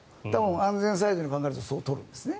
安全サイドで考えるとそう取るんですよね。